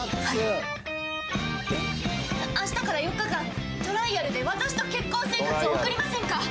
はい明日から４日間トライアルで私と結婚生活を送りませんか？